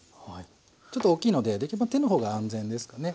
ちょっと大きいのでできるだけ手の方が安全ですかね。